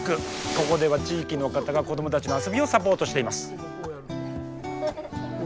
ここでは地域の方が子どもたちの遊びをサポートしています。